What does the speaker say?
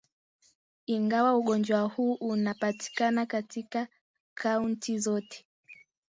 Ingawa ugonjwa huu unapatikana katika kaunti zote